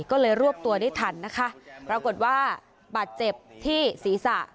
ก็เลยรวบตัวได้ทันนะคะปรากฏว่าบาดเจ็บที่ศีรษะ